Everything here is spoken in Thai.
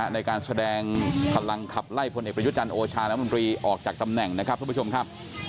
ในการแสดงพลังขับไล่พลเอกประยุทธ์จันทร์โอชาน้ำมนตรีออกจากตำแหน่งนะครับทุกผู้ชมครับ